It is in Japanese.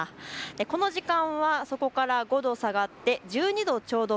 この時間はそこから５度下がって１２度ちょうど。